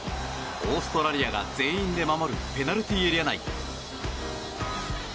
オーストラリアが全員で守るペナルティーエリア内。